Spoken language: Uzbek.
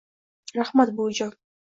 - Rahmat, buvijon!